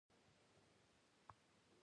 ایا زه باید سپرایټ وڅښم؟